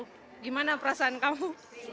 bagaimana perasaan kamu